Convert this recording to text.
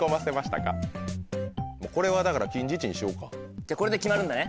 じゃあこれで決まるんだね。